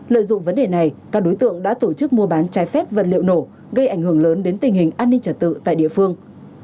lợi dụng vấn đề này các đối tượng đã tổ chức mua bán trái phép vật liệu nổ gây ảnh hưởng lớn đến tình hình an ninh trật tự tại địa phương